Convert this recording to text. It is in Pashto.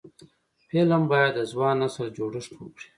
فلم باید د ځوان نسل جوړښت وکړي